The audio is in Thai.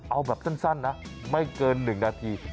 เอาแบบสั้นนะไม่เกิน๑นาที